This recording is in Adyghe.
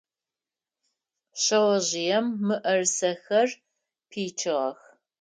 Шъэожъыем мыӏэрысэхэр пичыгъэх.